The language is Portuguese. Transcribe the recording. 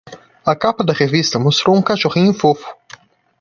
A capa da revista mostrou um cachorrinho fofo.